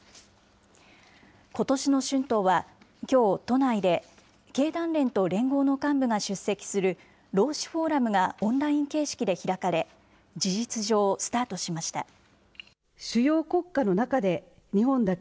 ことしの春闘は、きょう、都内で、経団連と連合の幹部が出席する労使フォーラムがオンライン形式で開かれ、事実上スタートしました。